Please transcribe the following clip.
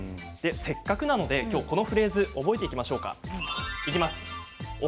せっかくなので、このフレーズ覚えていきましょうか。